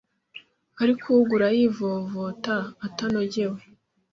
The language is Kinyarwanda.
ariko awugura yivovota atanogewe.